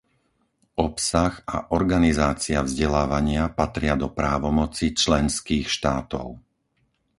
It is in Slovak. Obsah a organizácia vzdelávania patria do právomoci členských štátov.